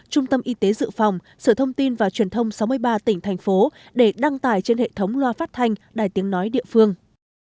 trung tâm y tế dự phòng sở thông tin và truyền thông sáu mươi ba tỉnh thành phố để đăng tải trên hệ thống loa phát thanh đài tiếng nói địa phương